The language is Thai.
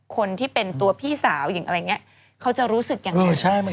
คนที่เป็นตัวพี่สาวอย่างไรเนี่ยเขาจะรู้สึกอย่างไร